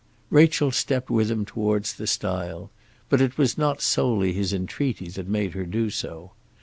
Rachel stepped with him towards the stile; but it was not solely his entreaty that made her do so.